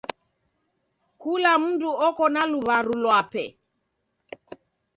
Kula mndu oko na luw'aru lwape.